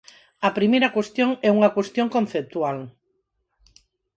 A primeira cuestión é unha cuestión conceptual.